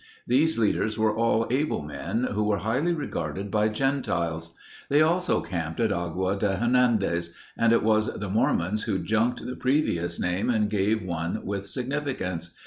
These leaders were all able men who were highly regarded by gentiles. They also camped at Agua de Hernandez and it was the Mormons who junked the previous name and gave one with significance.